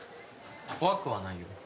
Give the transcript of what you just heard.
怖くはないよ。